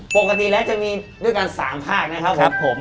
ปกติแล้วจะมีด้วยกัน๓ภาคนะครับครับผม